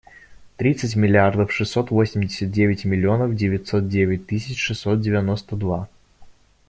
Тридцать миллиардов шестьсот восемьдесят девять миллионов девятьсот девять тысяч шестьсот девяносто два.